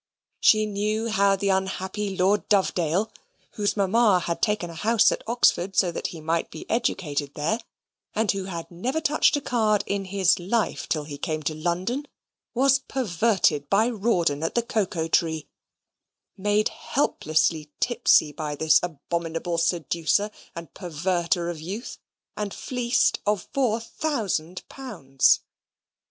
She knew how the unhappy Lord Dovedale, whose mamma had taken a house at Oxford, so that he might be educated there, and who had never touched a card in his life till he came to London, was perverted by Rawdon at the Cocoa Tree, made helplessly tipsy by this abominable seducer and perverter of youth, and fleeced of four thousand pounds.